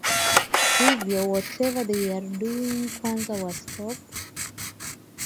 hivyo whatever they are doing kwanza wa stop